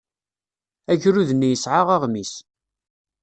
Agrud-nni yesɛa aɣmis.